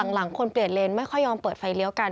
หลังคนเปลี่ยนเลนไม่ค่อยยอมเปิดไฟเลี้ยวกัน